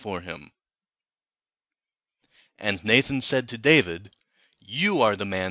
7 And Nathan said to David: 'Thou art the man.